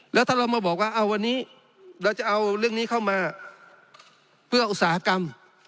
แล้วถ้าเรามาบอกว่าเอาวันนี้เราจะเอาเรื่องนี้เข้ามาเพื่ออุตสาหกรรม